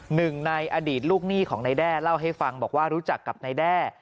หนึ่งในอดีตลูกหนี้ของนายแด้เล่าให้ฟังบอกว่ารู้จักกับนายแด้